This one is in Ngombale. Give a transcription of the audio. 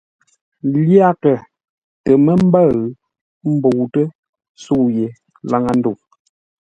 Lyaghʼə tə mə́ ḿbə́ʉ ḿbə́utə́ sə̌u yé laŋə́ ndəu.